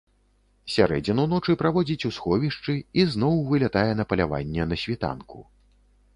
Сярэдзіну ночы праводзіць у сховішчы і зноў вылятае на паляванне на світанку.